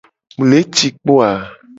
Mu le ci kpo a?